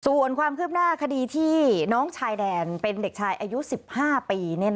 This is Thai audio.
ส่วนความคืบหน้าคดีที่น้องชายแดนเป็นเด็กชายอายุ๑๕ปี